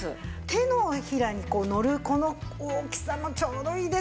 手のひらにのるこの大きさもちょうどいいですよね。